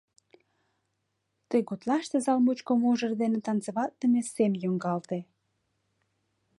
Тыгутлаште зал мучко мужыр дене танцеватлыме сем йоҥгалте.